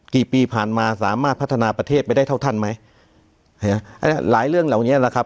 กี่ปีผ่านมาสามารถพัฒนาประเทศไปได้เท่าท่านไหมหลายเรื่องเหล่านี้แหละครับ